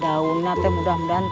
aku akan menangkan gusti ratu